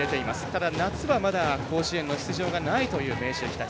ただ、夏は、まだ甲子園の出場はないという明秀日立。